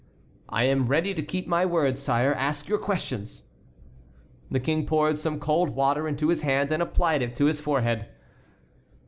"I am ready to keep my word, sire. Ask your questions." The King poured some cold water into his hand and applied it to his forehead.